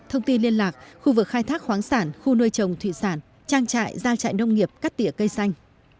thông tin liên lạc khu vực khai thác khoáng sản khu nuôi trồng thủy sản trang trại giao trại nông nghiệp cắt tỉa cây xanh